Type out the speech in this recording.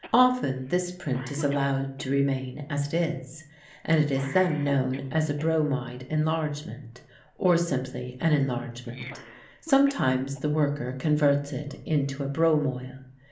Often this print is allowed to remain as it is, and it is then known as a bromide enlargement, or, simply, an enlargement; sometimes the worker converts it into a bromoil.